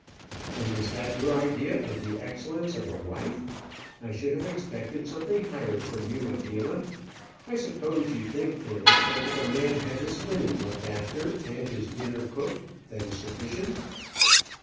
"And is that your idea of the excellence of a wife? I should have expected something higher from you, Adela. I suppose you think, then, that if a man have his linen looked after, and his dinner cooked, that is sufficient."